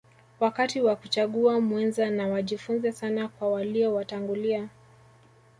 wakati wa kuchagua mwenza na wajifunze sana kwa walio watangulia